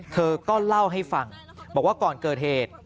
เธอก็เล่าให้ฟังบอกว่าก่อนเกิดเหตุ